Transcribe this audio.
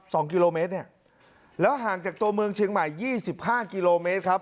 สองกิโลเมตรเนี่ยแล้วห่างจากตัวเมืองเชียงใหม่ยี่สิบห้ากิโลเมตรครับ